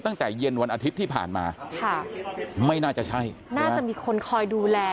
ตั้งแต่เย็นวันอาทิตย์ที่ผ่านมาค่ะไม่น่าจะใช่น่าจะมีคนคอยดูแล